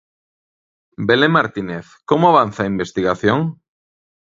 Belén Martínez, como avanza a investigación?